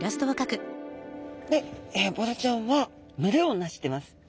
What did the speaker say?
ボラちゃんは群れを成してます。